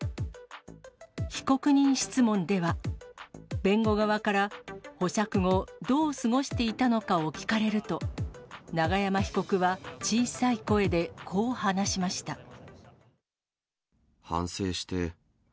被告人質問では、弁護側から保釈後、どう過ごしていたのかを聞かれると、永山被告は、小さい声でこう反省して。